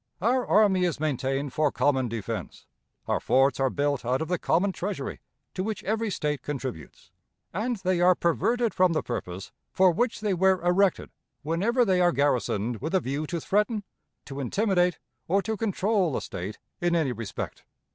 Our army is maintained for common defense; our forts are built out of the common Treasury, to which every State contributes; and they are perverted from the purpose for which they were erected whenever they are garrisoned with a view to threaten, to intimidate, or to control a State in any respect.